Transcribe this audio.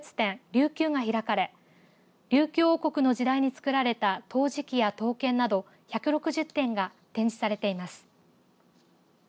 琉球が開かれ琉球王国の時代に作られた陶磁器や刀剣など１６０点が展示されています。